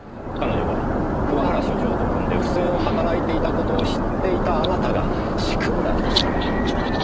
彼女が桑原所長と組んで不正を働いていた事を知っていたあなたが仕組んだんですよ。